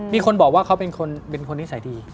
มีคนบอกว่าเขาเป็นคนนิสัยดี